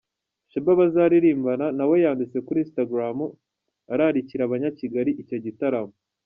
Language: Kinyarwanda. Sheebah bazaririmbana na we yanditse kuri Instagram ararikira abanya-Kigali icyo gitaramo.